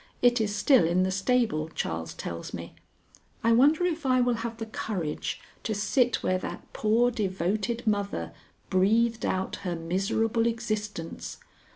It is still in the stable, Charles tells me. I wonder if I will have the courage to sit where that poor devoted mother breathed out her miserable existence.